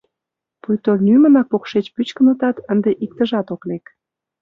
Пуйто лӱмынак покшеч пӱчкынытат, ынде иктыжат ок лек.